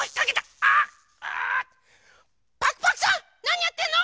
なにやってんの？